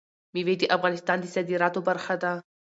مېوې د افغانستان د صادراتو برخه ده.